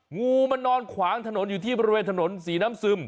งูมันนอนขวางถนนอยู่ที่บริเวณถนนศรีน้ำซึม